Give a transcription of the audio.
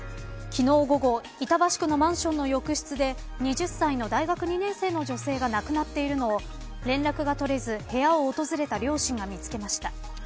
昨日午後板橋区のマンションの浴室で２０歳の大学２年生の女性が亡くなっているのを連絡が取れず部屋を訪れた両親が見つけました。